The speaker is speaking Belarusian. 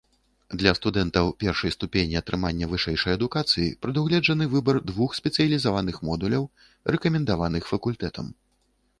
Для студэнтаў першай ступені атрымання вышэйшай адукацыі прадугледжаны выбар двух спецыялізаваных модуляў, рэкамендаваных факультэтам.